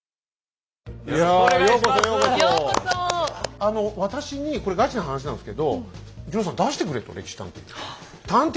あの私にこれガチな話なんですけど「二朗さん出してくれ」と「歴史探偵」に。